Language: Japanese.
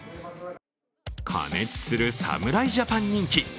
過熱する侍ジャパン人気。